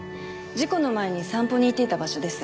事故の前に散歩に行っていた場所です。